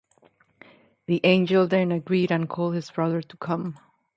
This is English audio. The angel then agreed and called his brother to come.